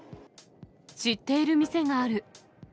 知っている店がある。